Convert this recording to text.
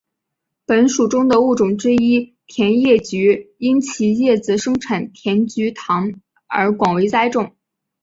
本属中的物种之一甜叶菊因其叶子生产甜菊糖而广为栽种。